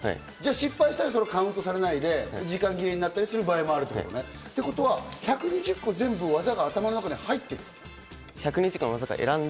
失敗したらカウントされないで、時間切れになったりする場合もあるわけね。ってことは１２０個全部、技が頭の中に入ってる？